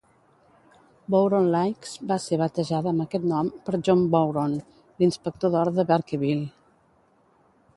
Bowron Lakes va ser batejada amb aquest nom per John Bowron, l'Inspector d'Or de Barkerville.